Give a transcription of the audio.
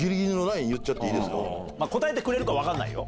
答えてくれるか分かんないよ。